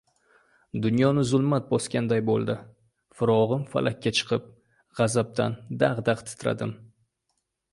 Dunyoni zulmat bosganday boʻldi, figʻonim falakka chiqib, gʻazabdan dagʻ-dagʻ titradim.